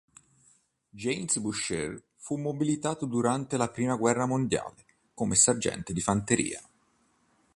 Jean Boucher fu mobilitato durante la prima guerra mondiale come sergente di fanteria.